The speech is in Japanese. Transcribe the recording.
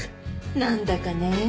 なんだかねえ。